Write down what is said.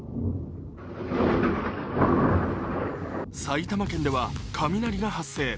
埼玉県では雷が発生。